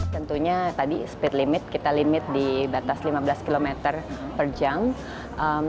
tentunya tadi speed limit kita limit di batas lima belas km per jam